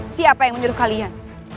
siapa yang menyuruh kalian